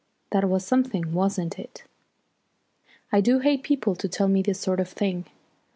That was something, wasn't it?" I do hate people to tell me this sort of thing.